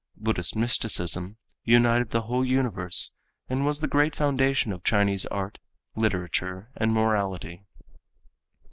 Buddhist mysticism united the whole universe and was the great foundation of Chinese art, literature and morality.